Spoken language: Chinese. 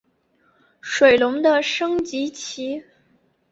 水龙的升级棋。